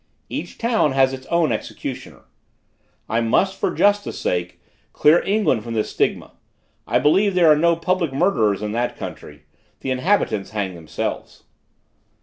Each town has its own executioner. I must, for justice sake, clear England from this stigma; I believe there are no public murderers in that country: the inhabitants hang themselves.